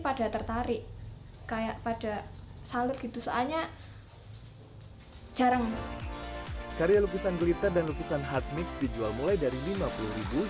pada tertarik kayak pada salut gitu soalnya jarang nanti karya lukisan glitter dan lukisan hard mix dijual mulai dari delapan puluh satu rupiah